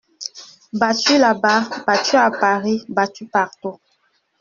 Battu là-bas, battu à Paris, battu partout.